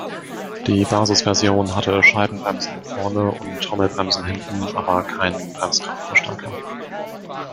Die Basisversion hatte Scheibenbremsen vorne und Trommelbremsen hinten, aber keinen Bremskraftverstärker.